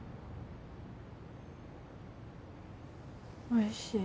おいしい。